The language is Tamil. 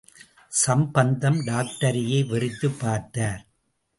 சம்பந்தம், டாக்டரையே வெறித்துப் பார்த்தார்.